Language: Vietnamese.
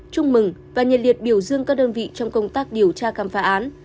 chúc mừng và nhiệt liệt biểu dương các đơn vị trong công tác điều tra khám phá án